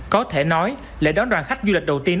có thể nói lễ đón đoàn khách du lịch đầu tiên